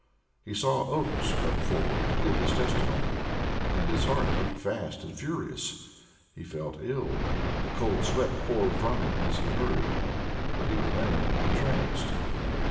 He saw Oakes come forward to give his testimony, and his heart beat fast and furious. He felt ill the cold sweat poured from him as he heard; but he remained, entranced.